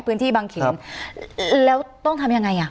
พื้นที่บางเขนแล้วต้องทำยังไงอ่ะ